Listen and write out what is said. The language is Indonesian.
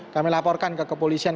kami laporkan ke kepolisian